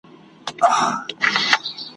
درې زمري یې له هډونو جوړېدله ,